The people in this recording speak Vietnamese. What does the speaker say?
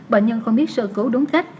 bệnh nhân không biết sơ cứu đúng cách